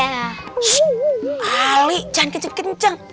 shhh ali jangan kenceng kenceng